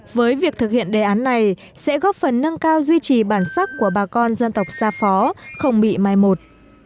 với việc thực hiện đề án này sẽ góp phần nâng cao duy trì bản sắc của bà con dân tộc xa phó không bị mai một